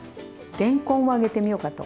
れんこんを揚げてみようかと。